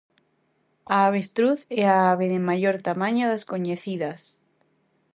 A avestruz é a ave de maior tamaño das coñecidas.